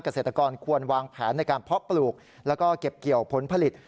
เกษตรกรควรวางแผนในการเพาะปลูกแล้วก็เก็บเกี่ยวผลผลิต